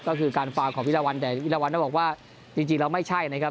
ก็คือการฟาร์มของวิราวันแต่วิราวัลต้องบอกว่าจริงแล้วไม่ใช่นะครับ